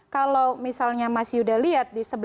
kalau misalnya mas yuda lihat di